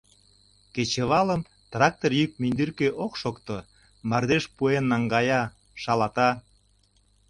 Кечывалым трактор йӱк мӱндыркӧ ок шокто, мардеж пуэн наҥгая, шалата.